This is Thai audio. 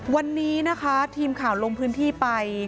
วันนี้นะคะทีมข่าวลงพื้นที่ไป